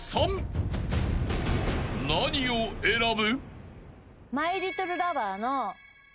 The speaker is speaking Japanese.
［何を選ぶ？］